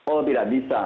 oh tidak bisa